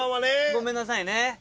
ごめんなさいね。